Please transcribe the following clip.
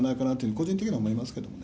個人的には思いますけどね。